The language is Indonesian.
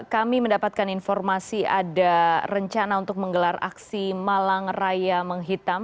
kami mendapatkan informasi ada rencana untuk menggelar aksi malang raya menghitam